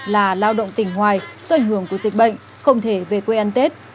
là lao động tỉnh ngoài do ảnh hưởng của dịch bệnh không thể về quê ăn tết